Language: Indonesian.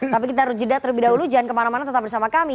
tapi kita harus jeda terlebih dahulu jangan kemana mana tetap bersama kami